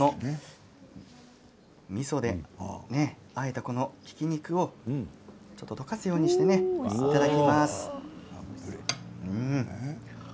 みそであえたひき肉を溶かすようにしていただきます。